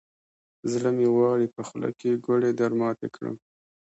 زړه مې غواړي، په خوله کې ګوړې درماتې کړم.